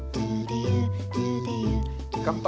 乾杯！